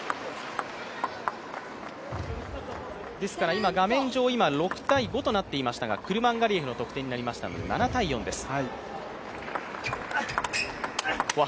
今、画面上６−５となっていましたがクルマンガリエフの得点になりましたので７−４です。